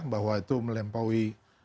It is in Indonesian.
bahwa itu melempaui